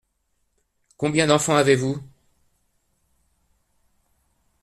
Combien d’enfants avez-vous ?